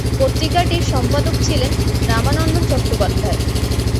পত্রিকাটির সম্পাদক ছিলেন রামানন্দ চট্টোপাধ্যায়।